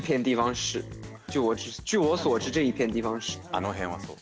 あの辺はそう。